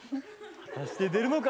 果たして出るのか？